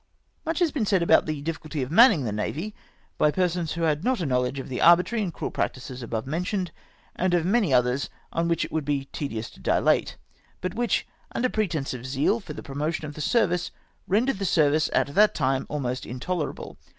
* Much has been said about the difiiculty of manning the Navy, by persons who had not a knowledge of the arbitrary and cruel practices above mentioned, and of many others on which it would be tedious to dilate, but which, under pretence of zeal for the promotion of the service, rendered the service at that time almost in tolerable.